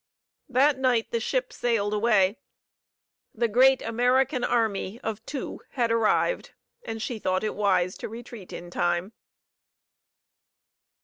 That night the ship sailed away. The great American army of two had arrived, and she thought it wise to retreat in time!